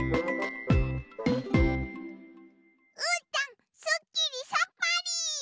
うーたんすっきりさっぱり！